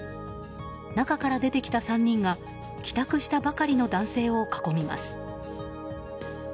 中から出てきた３人が帰宅したばかりの男性を囲みます。